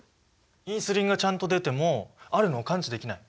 インスリンがちゃんと出てもあるのを感知できない？